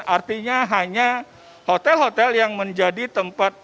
artinya hanya hotel hotel yang menjadi tempat